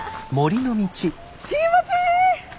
気持ちいい！